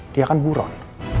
dia kan buron